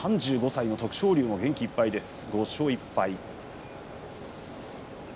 ３５歳の徳勝龍も元気いっぱい５勝１敗です。